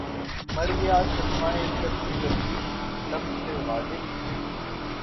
مر گیا صدمۂ یک جنبش لب سے غالبؔ